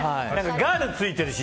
ガールついてるし。